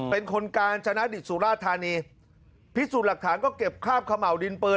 เป็นคนกาญชนะดิตสุราธานีพิสูจน์หลักฐานก็เก็บคราบเขม่าวดินปืน